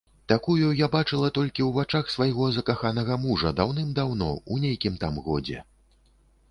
Такую я бачыла толькі ў вачах свайго закаханага мужа даўным-даўно, у нейкім там годзе.